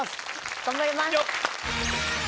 頑張ります！